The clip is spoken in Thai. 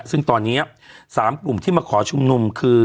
ซึ่งตอนนี้๓กลุ่มที่มาขอชุมนุมคือ